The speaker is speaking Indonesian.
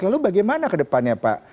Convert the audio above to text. lalu bagaimana ke depannya pak